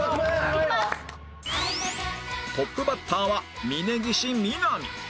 トップバッターは峯岸みなみ